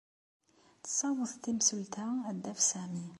Tessaweḍ temsulta ad d-taf Sami.